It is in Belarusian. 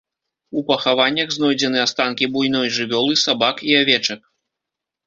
У пахаваннях знойдзены астанкі буйной жывёлы, сабак і авечак.